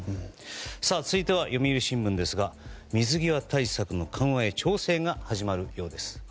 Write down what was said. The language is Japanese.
続いては読売新聞ですが水際対策の緩和へ調整が始まるようです。